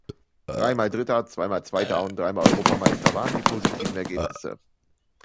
Dreimal Dritter, zweimal Zweiter und dreimal Europameister waren die positiven Ergebnisse.